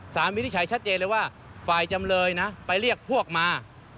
สามิวิทย์ใช้ชัดเจนเลยว่าฝ่ายจำเลยนะไปเรียกพวกมา